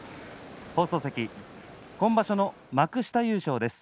今場所の幕下優勝です。